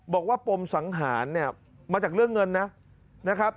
บอกว่าปมสังหานเนี่ยมาจากเรื่องเงินนะนะครับ